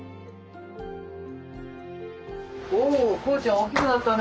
おこうちゃん大きくなったね。